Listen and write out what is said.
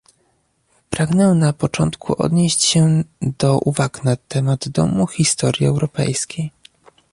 Pragnę na początku odnieść się do uwag na temat Domu Historii Europejskiej